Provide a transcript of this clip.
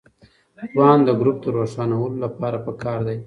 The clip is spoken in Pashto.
توان د ګروپ د روښانولو لپاره پکار دی.